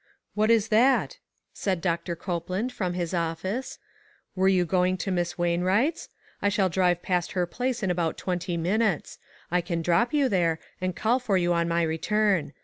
"What is that?" said Doctor Copeland, from his office. " Were you going to Miss Wainwright's? I shall drive past her place in about twenty minutes. I can drop you there, and call for you on my return.